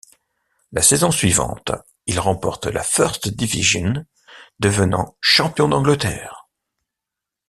La saison suivante il remporte la First Division, devenant champion d'Angleterre.